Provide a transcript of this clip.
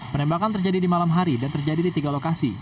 penembakan terjadi di malam hari dan terjadi di tiga lokasi